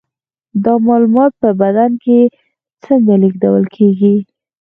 دا معلومات په بدن کې څنګه لیږدول کیږي